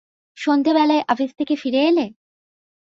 সন্ধেবেলায় আপিস থেকে ফিরে এলে?